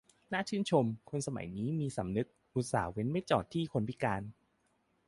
น่าชื่นชมคนขับสมัยนี้มีสำนึก อุตส่าห์เว้นไม่จอดที่คนพิการ